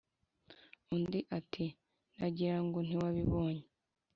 Undi ati: "Nagirango ntiwabibonye,